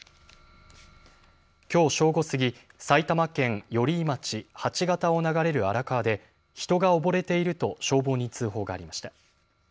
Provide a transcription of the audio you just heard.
きょう正午過ぎ、埼玉県寄居町鉢形を流れる荒川で人が溺れていると消防に通報がありました。